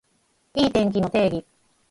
いい天気の定義